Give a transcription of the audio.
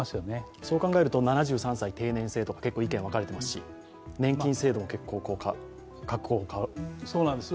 そう考えると７３歳定年制とか結構、意見分かれてますし年金制度も結構変わるかなと。